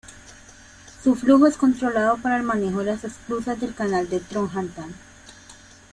Su flujo es controlado para el manejo de las esclusas del Canal de Trollhättan.